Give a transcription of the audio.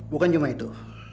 bukan cuma itu